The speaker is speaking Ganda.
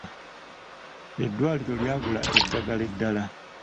Eddwaliro lyagula eddagala eddala.